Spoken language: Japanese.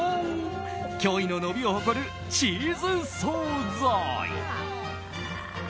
驚異の伸びを誇るチーズ総菜。